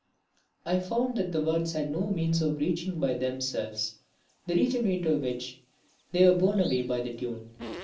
I found that the words had no means of reaching by themselves the region into which they were borne away by the tune.